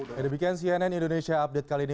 ya demikian cnn indonesia update kali ini